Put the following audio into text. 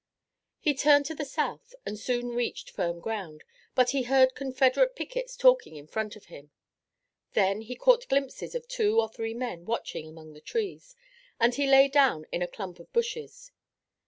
He turned to the south and soon reached firm ground, but he heard Confederate pickets talking in front of him. Then he caught glimpses of two or three men watching among the trees, and he lay down in a clump of bushes.